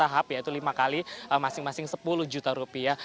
setahap ya itu lima kali masing masing sepuluh juta rupiah